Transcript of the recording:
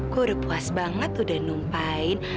gue udah puas banget udah numpain